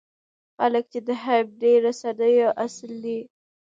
خلک چې د همدې رسنیو اصل دی.